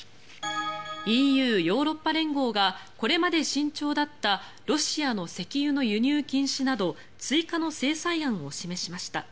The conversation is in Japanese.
ＥＵ・ヨーロッパ連合がこれまで慎重だったロシアの石油の輸入禁止など追加の制裁案を示しました。